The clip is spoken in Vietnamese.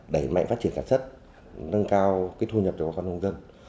đẩy mạnh phát triển sản xuất nâng cao thu nhập cho bà con nông dân